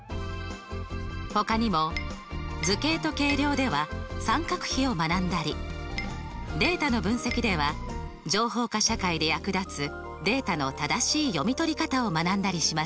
ほかにも「図形と計量」では三角比を学んだり「データの分析」では情報化社会で役立つデータの正しい読み取り方を学んだりしますよ。